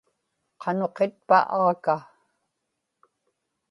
qanuqitpa aaka